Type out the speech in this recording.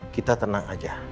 kita tenang aja